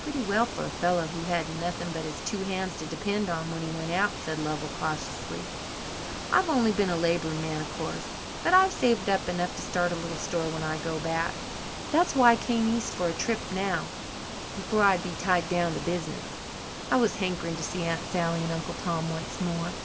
"Pretty well for a fellow who had nothing but his two hands to depend on when he went out," said Lovell cautiously. "I've only been a labouring man, of course, but I've saved up enough to start a little store when I go back. That's why I came east for a trip now before I'd be tied down to business. I was hankering to see Aunt Sally and Uncle Tom once more.